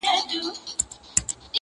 o پور پر غاړه، غوا مرداره٫